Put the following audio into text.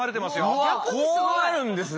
うわっこうなるんですね。